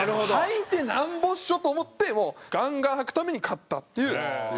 穿いてなんぼっしょ！と思ってもうガンガン穿くために買ったっていう。